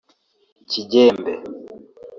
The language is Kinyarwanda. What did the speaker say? Kigembe